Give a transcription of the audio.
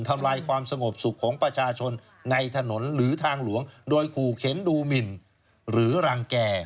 ทำลายความสงบสุขของประชาชนในถนนหรือทางหลวงโดยขู่เข็นดูหมินหรือรังแก่